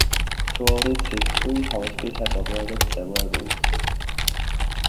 Throughout its history Hoverspeed has operated several routes.